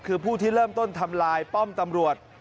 คือผู้ที่เริ่มต้นทำลายป้อมตำรวจ